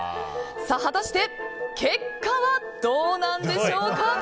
果たして結果はどうなんでしょうか。